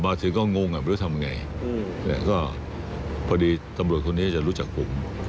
จากพฤติกรรมที่ถูกนำเสนอคืออาการของผู้ป่วย